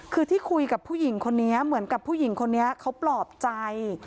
คือที่คุยกับผู้หญิงคนนี้เหมือนกับผู้หญิงคนนี้เขาปลอบใจ